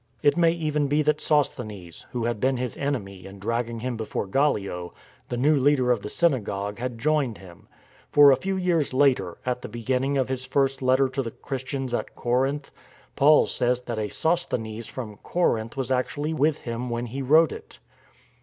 It may even be that Sosthenes, who had been his enemy in dragging him before Gallio, the new leader of the synagogue, had joined him : for a few years later, at the beginning of his first letter to the Christians at Corinth, Paul says that a Sos thenes from Corinth was actually with him when he wrote it.